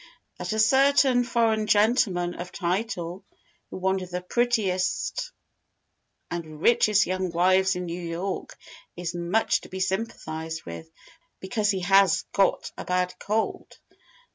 "_That a certain foreign gentleman of title, with one of the prettiest and richest young wives in New York, is much to be sympathized with, because he has got a bad cold.